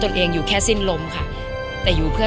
ก็ต้องยอมรับว่ามันอัดอั้นตันใจและมันกลั้นไว้ไม่อยู่จริง